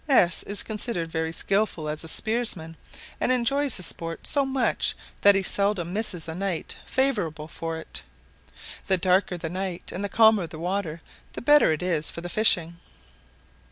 S is considered very skilful as a spearsman, and enjoys the sport so much that he seldom misses a night favourable for it. The darker the night and the calmer the water the better it is for the fishing.